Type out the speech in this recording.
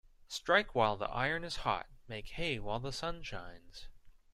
Strike while the iron is hot Make hay while the sun shines.